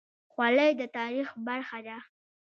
خولۍ د تاریخ برخه ده.